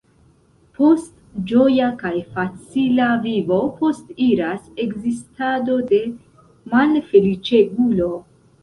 Post ĝoja kaj facila vivo postiras ekzistado de malfeliĉegulo.